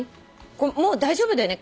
もう大丈夫だよね